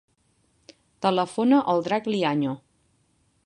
Telefona al Drac Liaño.